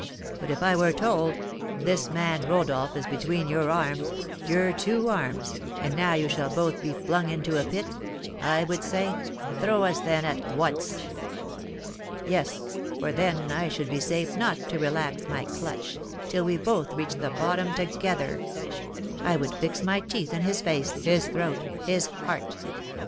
But if I were told, 'This man Rodolph is between your arms your two arms and now you shall both be flung into a pit,' I would say, 'Throw us, then, at once.' Yes, for then I should be safe not to relax my clutch, till we both reached the bottom together. I would fix my teeth in his face his throat his heart.